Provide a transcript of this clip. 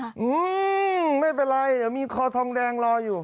อืมไม่เป็นไรเดี๋ยวมีคอทองแดงรออยู่